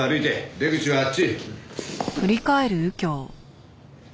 出口はあっち。